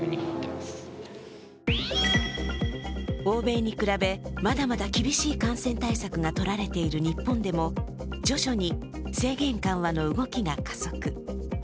欧米に比べまだまだ厳しい感染対策がとられている日本でも、徐々に制限緩和の動きが加速。